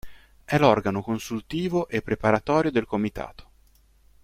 È l’organo consultivo e preparatorio del comitato.